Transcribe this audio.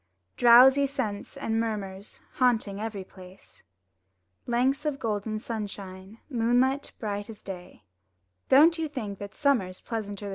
Drowsy scents and murmurs Haunting every place; Lengths of golden sunshine, Moonlight bright as day, — Don't you think that summer's Pleasanter than May?